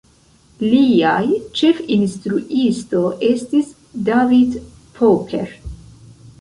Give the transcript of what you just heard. Liaj ĉefinstruisto estis David Popper.